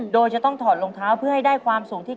โดยจะต้องถอดรองเท้าเพื่อให้ได้ความสูงที่ค